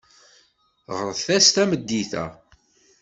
Ɣret-as tameddit-a.